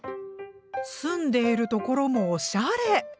住んでいる所もおしゃれ！